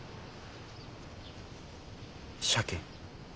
鮭。